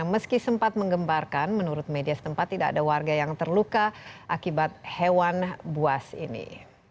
meski sempat mengembarkan menurut media setempat tidak ada warga yang terluka akibat hewan buas ini